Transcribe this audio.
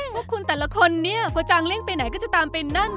พวกคุณแต่ละคนเนี่ยพอจางเลี่ยงไปไหนก็จะตามไปนั่น